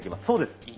そうです！